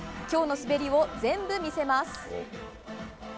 今日の滑りを全部見せます！